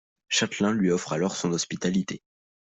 Chatelin lui offre alors son hospitalité.